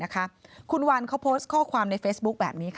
คุณวันเขาโพสต์ข้อความในเฟซบุ๊คแบบนี้